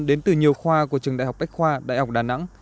đến từ nhiều khoa của trường đại học bách khoa đại học đà nẵng